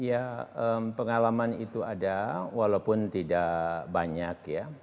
ya pengalaman itu ada walaupun tidak banyak ya